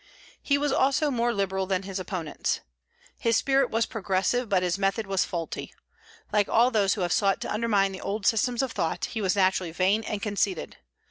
He was also more liberal than his opponents. His spirit was progressive, but his method was faulty. Like all those who have sought to undermine the old systems of thought, he was naturally vain and conceited.